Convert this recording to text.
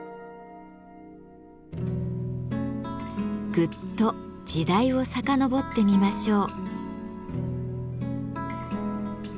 ぐっと時代を遡ってみましょう。